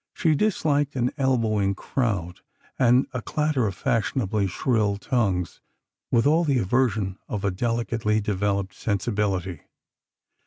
She disliked an elbowing crowd and a clatter of fashionably shrill tongues with all the aversion of a delicately developed sensibility.